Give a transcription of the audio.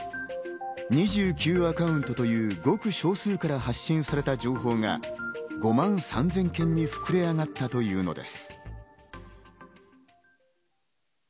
２９アカウントという、ごく少数から発信された情報が５万３０００件に膨れ上がったというのです。